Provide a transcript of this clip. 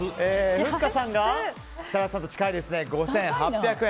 ふっかさんが設楽さんと近い５８００円。